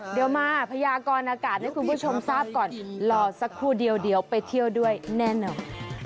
เดี๋ยวมาพยากรอากาศให้คุณผู้ชมทราบก่อนรอสักครู่เดียวเดี๋ยวไปเที่ยวด้วยแน่นอน